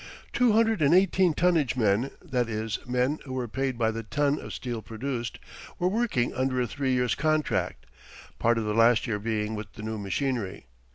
Two hundred and eighteen tonnage men (that is, men who were paid by the ton of steel produced) were working under a three years' contract, part of the last year being with the new machinery.